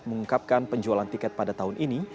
mengungkapkan penjualan tiket pada tahun ini